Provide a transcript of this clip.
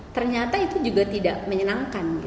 ternyata itu juga tidak menyenangkan